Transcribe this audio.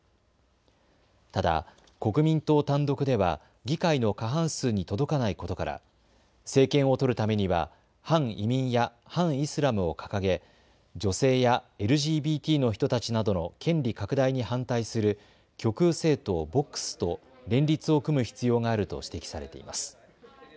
ただ国民党単独では議会の過半数に届かないことから政権を取るためには反移民や反イスラムを掲げ女性やＬＧＢＴの人たちなどの権利拡大に反対する極右政党ボックスと連立を組む必要があると指摘されています。